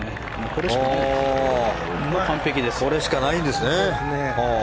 これしかないですね。